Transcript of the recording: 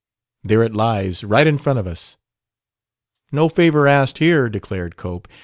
There it lies, right in front of us." "No favor asked here," declared Cope.